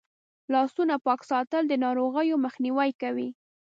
لاسونه پاک ساتل د ناروغیو مخنیوی کوي.